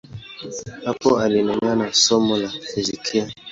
Hapo aliendelea na somo la fizikia.